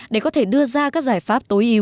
để có thể đưa ra các giải pháp tối ưu